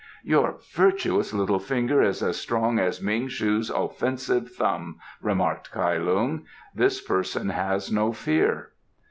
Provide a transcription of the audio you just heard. "Your virtuous little finger is as strong as Ming shu's offensive thumb," remarked Kai Lung. "This person has no fear."